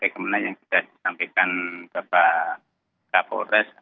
seperti yang sudah disampaikan kepada bapak kapolres